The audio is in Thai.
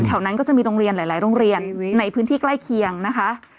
นั้นก็จะมีโรงเรียนหลายโรงเรียนในพื้นที่ใกล้เคียงนะคะ